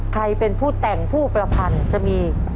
ใครเป็นผู้แต่งผู้ประพันธ์จะมี